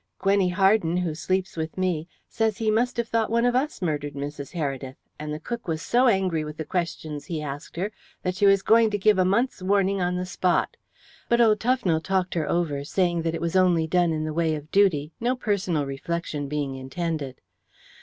Gwennie Harden, who sleeps with me, says he must have thought one of us murdered Mrs. Heredith, and the cook was so angry with the questions he asked her that she was going to give a month's warning on the spot, but old Tufnell talked her over, saying that it was only done in the way of duty, no personal reflection being intended.